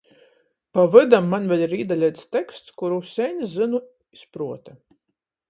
Pa vydam maņ vēļ ir īdaleits teksts, kurū seņ zynu iz pruota.